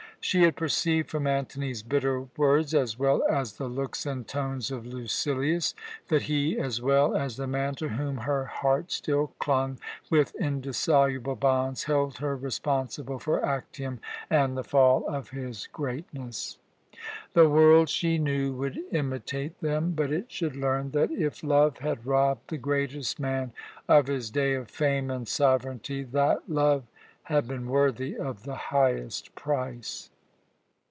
She had perceived from Antony's bitter words, as well as the looks and tones of Lucilius, that he, as well as the man to whom her heart still clung with indissoluble bonds, held her responsible for Actium and the fall of his greatness. The world, she knew, would imitate them, but it should learn that if love had robbed the greatest man of his day of fame and sovereignty, that love had been worthy of the highest price.